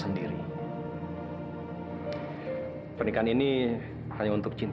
sedikit juga kalian bruce yang tahu kita